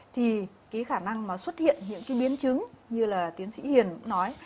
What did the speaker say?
thì khả năng xuất hiện những biến chứng như là tiến sĩ hiền nói